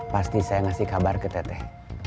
pasti saya ngasih kabar ke teteh